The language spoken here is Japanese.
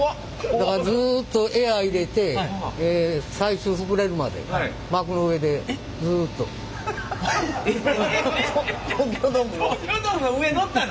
だからずっとエア入れて最終膨れるまで東京ドームの。